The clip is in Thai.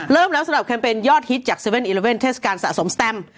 เริ่มแล้วสำหรับแคมเปญยอดฮิตจาก๗๑๑เทศกาลสะสมสแตม